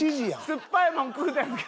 酸っぱいもん食うたんか？